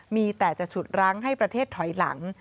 มีแต่จะฉุดรั้งให้ประเทศถอยหลัง